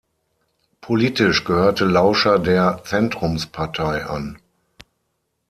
Politisch gehörte Lauscher der Zentrumspartei an.